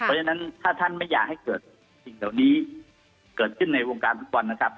เพราะฉะนั้นถ้าท่านไม่อยากให้เกิดสิ่งเหล่านี้เกิดขึ้นในวงการฟุตบอลนะครับ